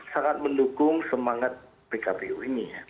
sangat mendukung semangat pkpui ini